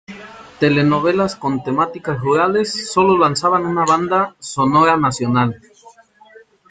Telenovelas con temáticas rurales solo lanzaban una banda sonora Nacional.